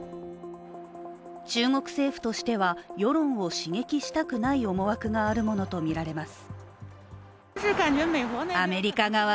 中国政府としては、世論を刺激したくない思惑があるものとみられます。